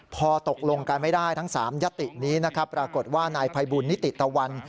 พอตกลงกันไม่ได้ทั้ง๓ยตินี้นะครับปรากฏว่านายภัยบุญนิติตะวัน